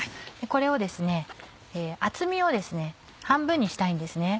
これを厚みを半分にしたいんですね。